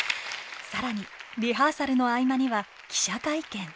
更にリハーサルの合間には記者会見。